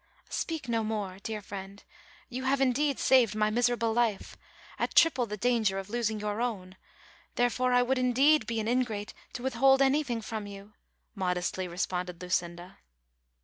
" "Speak no more, dear friend, you have indeed saved my miserable life, at triple the danger of losing your own, therefore I would indeed be an ingrate to withhold any thing from you," modestly responded Lucinda.